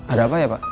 ada apa ya pak